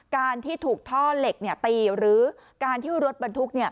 การที่ถูกท่อเหล็กตีหรือการที่รถบรรทุก